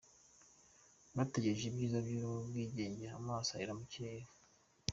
Bategereje ibyiza by’ubwigenge amaso ahera mu kirere.